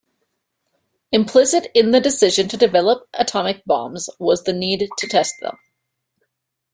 Implicit in the decision to develop atomic bombs was the need to test them.